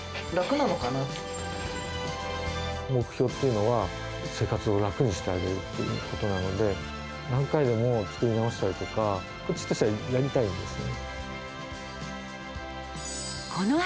目標っていうのは、生活を楽にしてあげるということなので、何回でも作り直したりとか、こっちとしてはやりたいんですよ